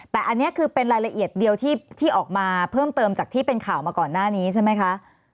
แต่อันนี้คือเป็นรายละเอียดเดียวที่ออกมาเพิ่มเติมจากที่เป็นข่าวมาก่อนหน้านี้ใช่ไหมคะ